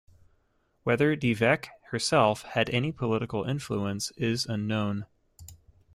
Whether Dyveke herself had any political influence is unknown.